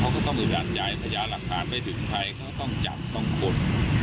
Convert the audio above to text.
เขาก็ต้องอยู่ด้านใจพญาหลังคาไม่ถึงใครเขาก็ต้องจับต้องกด